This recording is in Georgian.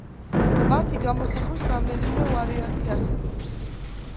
მათი გამოსახვის რამდენიმე ვარიანტი არსებობს.